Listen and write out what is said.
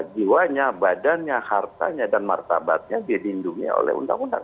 dia dihidupin oleh undang undang